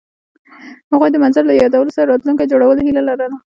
هغوی د منظر له یادونو سره راتلونکی جوړولو هیله لرله.